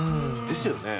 ですよね？